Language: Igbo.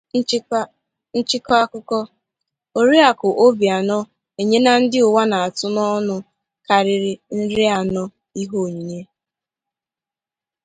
Nchịkọ Akụkọ: Oriakụ Obianọ Enyena Ndị Ụwa na-atụ n'ọnụ Karịrị Nrị Anọ Ihe Onyinye